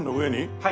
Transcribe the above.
はい。